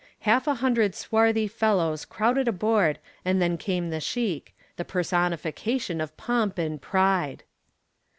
Half a hundred swarthy fellows crowded aboard and then came the sheik, the personification of pomp and pride.